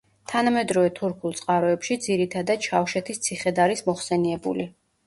თანამედროვე თურქულ წყაროებში ძირითადად შავშეთის ციხედ არის მოხსენიებული.